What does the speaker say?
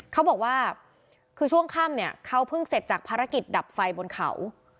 เขาบอกว่าคือช่วงค่ำเนี่ยเขาเพิ่งเสร็จจากภารกิจดับไฟบนเขา